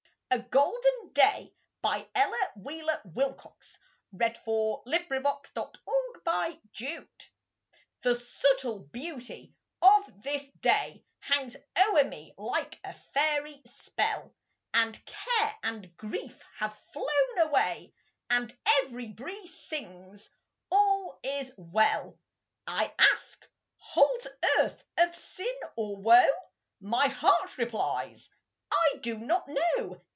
A Golden Day An Ella Wheeler Wilcox Poem A GOLDEN DAY The subtle beauty of this day Hangs o'er me like a fairy spell, And care and grief have flown away, And every breeze sings, "All is well." I ask, "Holds earth of sin, or woe?" My heart replies, "I do not know."